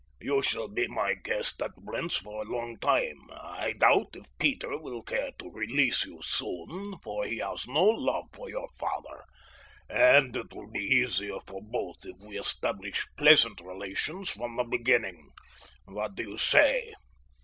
"You shall be my guest at Blentz for a long time. I doubt if Peter will care to release you soon, for he has no love for your father—and it will be easier for both if we establish pleasant relations from the beginning. What do you say?"